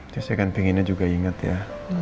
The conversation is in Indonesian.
tapi saya ingin inget juga ya